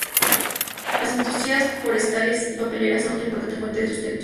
Las industrias forestales y papeleras son otra importante fuente de sustento.